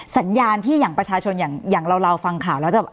สัญญาณที่อย่างประชาชนอย่างเราฟังข่าวแล้วจะ